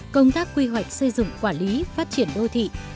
công tác quy hoạch xây dựng quản lý phát triển đô thị